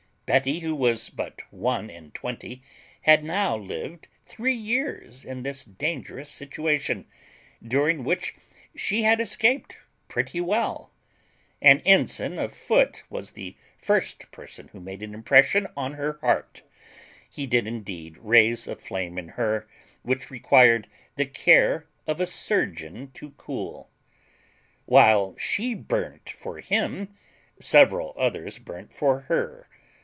Betty, who was but one and twenty, had now lived three years in this dangerous situation, during which she had escaped pretty well. An ensign of foot was the first person who made an impression on her heart; he did indeed raise a flame in her which required the care of a surgeon to cool. While she burnt for him, several others burnt for her.